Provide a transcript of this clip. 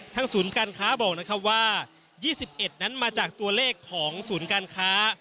ศูนย์การค้าบอกนะครับว่า๒๑นั้นมาจากตัวเลขของศูนย์การค้า